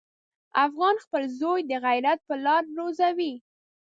افغان خپل زوی د غیرت په لاره روزي.